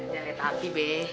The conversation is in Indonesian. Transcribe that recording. ya teletapi be